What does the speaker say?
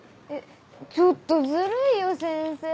ちょっとズルいよ先生！